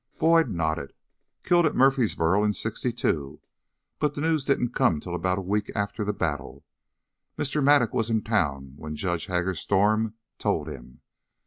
Boyd nodded. "Killed at Murfreesboro in sixty two, but the news didn't come till about a week after the battle. Mr. Mattock was in town when Judge Hagerstorm told him